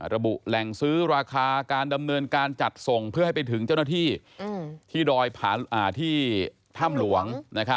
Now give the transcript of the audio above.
ระบุแหล่งซื้อราคาการดำเนินการจัดส่งเพื่อให้ไปถึงเจ้าหน้าที่ที่ดอยที่ถ้ำหลวง